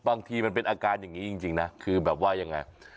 บางทีมันเป็นอาการอย่างนี้จริงนะคือแบบว่ายังไง